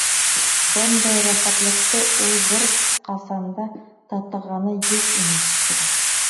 Бындай рәхәтлекте ул бер ҡасан да татығаны юҡ ине шикелле.